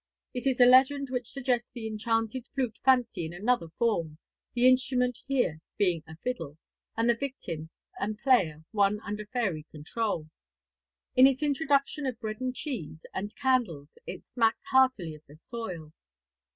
It is a legend which suggests the Enchanted Flute fancy in another form, the instrument here being a fiddle, and the victim and player one under fairy control. In its introduction of bread and cheese and candles it smacks heartily of the soil.